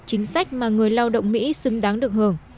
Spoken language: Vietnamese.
chính sách mà người lao động mỹ xứng đáng được hưởng